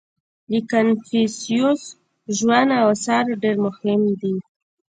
• د کنفوسیوس ژوند او آثار ډېر مهم دي.